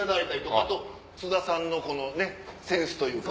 あと津田さんのセンスというか。